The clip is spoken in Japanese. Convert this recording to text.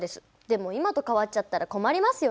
でも今と変わっちゃったら困りますよね。